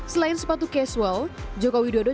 selain sepatu casual jokowi dodo